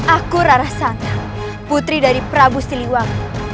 aku rarasanta putri dari prabu siliwangi